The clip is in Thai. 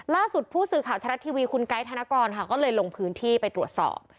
ล่าสุดผู้สื่อข่าวทรัฐทีวีคุณไกด์ธนกรค่ะก็เลยลงพื้นที่ไปตรวจสอบ